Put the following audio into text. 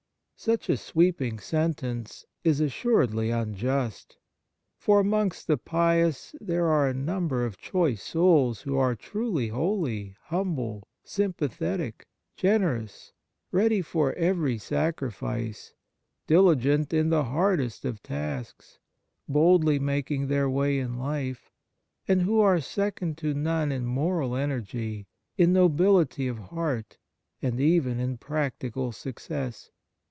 Such a sweeping sentence is as suredly unjust. For amongst the pious there are a number of choice souls who are truly holy, humble, sympathetic, generous, ready for every sacrifice, diligent in the hardest of tasks, boldly making their way in life, and who are second to none in moral energy, in nobility of heart, and even in practical success.